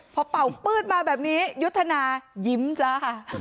พอเป่าปื๊ดมาแบบนี้ยุทธนายิ้มจ้า